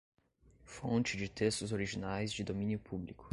Fonte de textos originais de domínio público.